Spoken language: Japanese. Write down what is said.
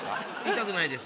痛くないです。